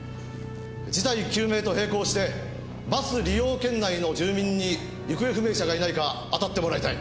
事態究明と平行してバス利用圏内の住民に行方不明者がいないか当たってもらいたい。